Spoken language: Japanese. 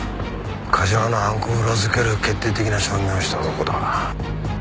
梶間の犯行を裏付ける決定的な証言をした男だ。